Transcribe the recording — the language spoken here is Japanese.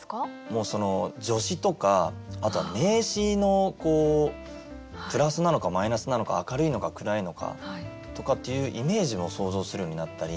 もうその助詞とかあとは名詞のプラスなのかマイナスなのか明るいのか暗いのかとかっていうイメージも想像するようになったり。